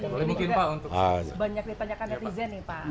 boleh mungkin pak untuk banyak ditanyakan netizen nih pak